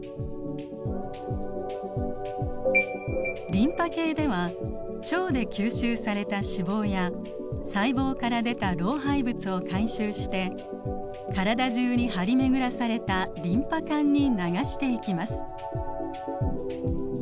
リンパ系では腸で吸収された脂肪や細胞から出た老廃物を回収して体中に張り巡らされたリンパ管に流していきます。